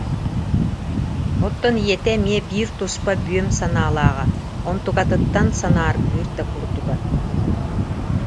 Оттон ийэтэ эмиэ биир туспа бүөм санаалааҕа, онтукатыттан санааргыыр да курдуга